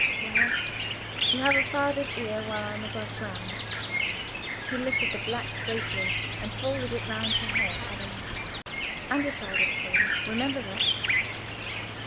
"Well, you have a father's ear while I am above ground,"—he lifted the black drapery and folded it round her head, adding—"and a father's home; remember that."